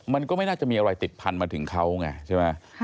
มันก็ไม่น่าจะมีอะไรติดพันมาถึงเขาไงใช่ไหม